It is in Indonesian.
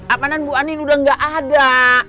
apaanan bu anin udah gak ada